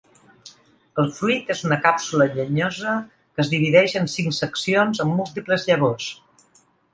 El fruit és una càpsula llenyosa que es divideix en cinc seccions amb múltiples llavors.